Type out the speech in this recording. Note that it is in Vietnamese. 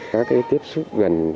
các tiếp xúc gần